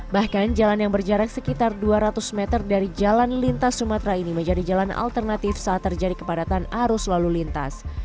bahkan jalan yang berjarak sekitar dua ratus meter dari jalan lintas sumatera ini menjadi jalan alternatif saat terjadi kepadatan arus lalu lintas